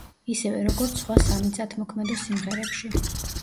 ისევე როგორც სხვა სამიწათმოქმედო სიმღერებში.